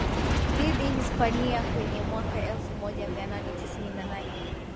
dhidi Hispania kwenye mwaka elfumoja mianane tisini na nane